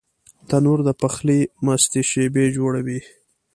تنور د پخلي مستې شېبې جوړوي